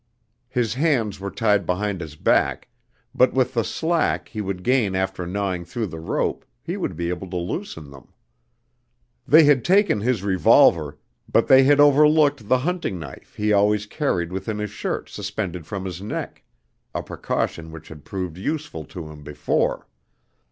His hands were tied behind his back, but with the slack he would gain after gnawing through the rope, he would be able to loosen them. They had taken his revolver, but they had overlooked the hunting knife he always carried within his shirt suspended from his neck a precaution which had proved useful to him before.